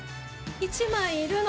１枚いるの。